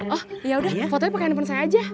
oh yaudah fotonya pakai handphone saya aja